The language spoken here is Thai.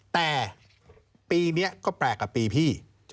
แต่ปีเนี้ยก็ปรากฏกับปีพี่